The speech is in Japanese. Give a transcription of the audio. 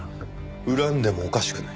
恨んでもおかしくない。